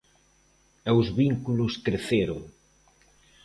E os vínculos creceron.